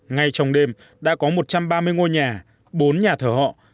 ngay trong đêm đã có một trăm ba mươi ngôi nhà bốn nhà thờ họ